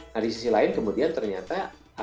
nah di sisi lain kemudian ternyata